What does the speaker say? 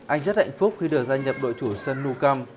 anh rất hạnh phúc khi được gia nhập đội chủ sân nou camp